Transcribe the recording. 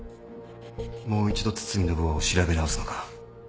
もう一度堤暢男を調べ直すのか？